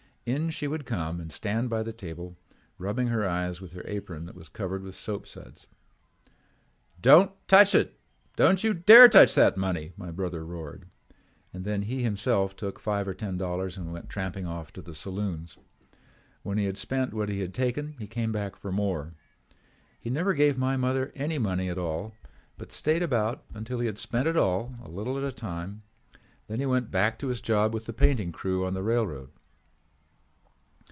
In she would come and stand by the table, rubbing her eyes with her apron that was covered with soap suds. "'Don't touch it! Don't you dare touch that money,' my brother roared, and then he himself took five or ten dollars and went tramping off to the saloons. When he had spent what he had taken he came back for more. He never gave my mother any money at all but stayed about until he had spent it all, a little at a time. Then he went back to his job with the painting crew on the railroad.